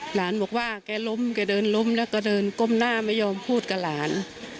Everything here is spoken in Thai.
หลานบอกว่าแกล้มแกเดินล้มแล้วก็เดินก้มหน้าไม่ยอมพูดกับหลาน